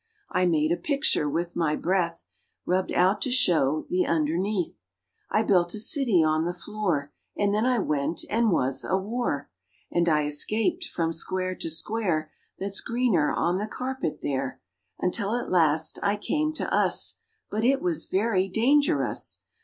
I made a picture, with my breath Rubbed out to show the underneath. I built a city on the floor; And then I went and was a War. And I escaped, from square to square That's greener on the carpet, there, Until at last, I came to Us: But it was very dangerous.